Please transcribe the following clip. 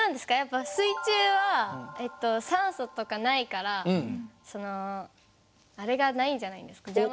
やっぱ水中は酸素とかないからそのあれがないんじゃないですか？